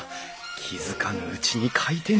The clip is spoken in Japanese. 気付かぬうちに開店してた。